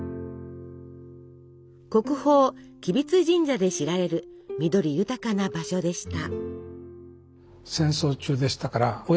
国宝吉備津神社で知られる緑豊かな場所でした。